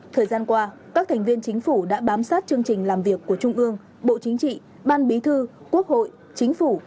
thời gian qua các thành viên chính phủ đã bám sát chương trình làm việc của trung ương bộ chính trị ban bí thư quốc hội chính phủ